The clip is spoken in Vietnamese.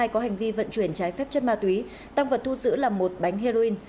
có hành vi vận chuyển trái phép chất ma túy tăng vật thu giữ là một bánh heroin